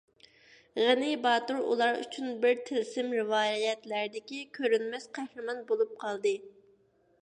غېنى باتۇر ئۇلار ئۈچۈن بىر تىلسىم، رىۋايەتلەردىكى كۆرۈنمەس قەھرىمان بولۇپ قالدى.